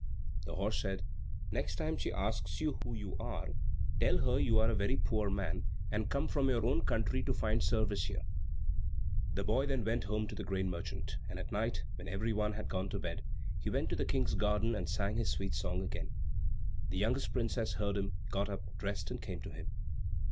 The horse said, "Next time she asks you who you are, tell her you are a very poor man, and came from your own country to find service here." The boy then went home to the grain merchant, and at night, when every one had gone to bed, he went to the King's garden and sang his sweet song again. The youngest princess heard him, got up, dressed, and came to him.